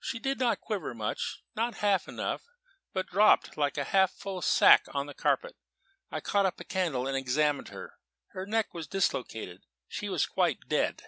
"She did not quiver much not half enough but dropped like a half full sack on to the carpet. I caught up a candle and examined her. Her neck was dislocated. She was quite dead."